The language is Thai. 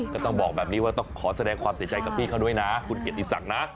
ก็ต้องบอกแบบนี้ว่าต้องขอแสดงความเสียใจกับพี่เขาด้วยนะคุณเกียรติศักดิ์นะ